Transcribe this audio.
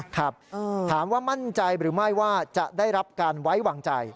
ครับถามว่ามั่นใจหรือไม่ว่าจะได้รับการไว้วางใจ